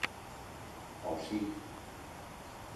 O sí.